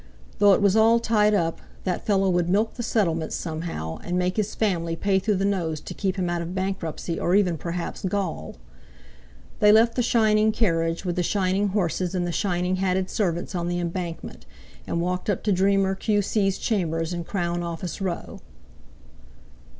Though it was all tied up, that fellow would milk the settlements somehow, and make his family pay through the nose to keep him out of bankruptcy or even perhaps gaol! They left the shining carriage, with the shining horses and the shining hatted servants on the Embankment, and walked up to Dreamer Q.C.'s Chambers in Crown Office Row.